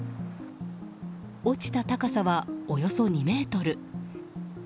落ちた高さは、およそ２ｍ。